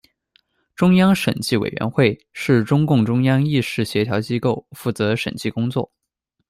中央审计委员会，是中共中央议事协调机构，负责审计工作。